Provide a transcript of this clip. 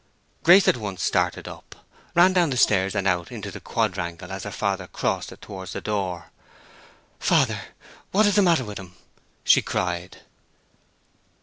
Grace at once started up, ran down the stairs and out into the quadrangle as her father crossed it towards the door. "Father, what is the matter with him?" she cried.